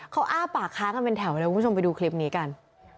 เขาอ้าปากค้ากันเป็นแถวเลยคุณผู้ชมไปดูคลิปนี้กัน